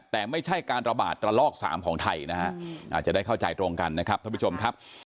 แต่ไม่ใช่การระบาดระลอก๓ของไทยนะฮะอาจจะได้เข้าใจตรงกันนะครับท่านผู้ชมครับ